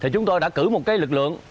chúng tôi đã cử một lực lượng